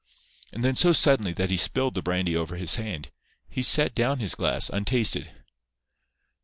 And then so suddenly that he spilled the brandy over his hand, he set down his glass, untasted.